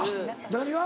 何が？